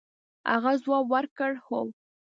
هغه ځواب ورکړ هو.